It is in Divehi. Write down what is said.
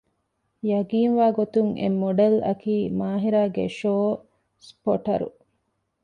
ޔަގީންވާގޮތުން އެ މޮޑެލްއަކީ މާހިރާގެ ޝޯ ސްޕޮޓަރު